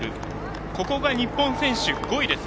ここが日本選手、５位です。